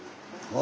あ。